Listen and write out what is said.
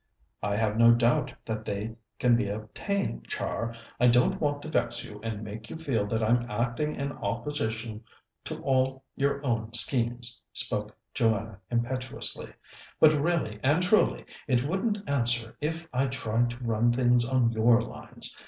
"I have no doubt that they can be obtained. Char, I don't want to vex you and make you feel that I'm acting in opposition to all your own schemes," spoke Joanna impetuously, "but really and truly it wouldn't answer if I tried to run things on your lines.